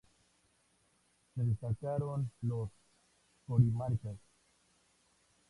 Se destacaron los Q’orimarcas.